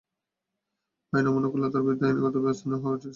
আইন অমান্য করলে তাঁর বিরুদ্ধে আইনগত ব্যবস্থা নেওয়া হবে, এটাই স্বাভাবিক।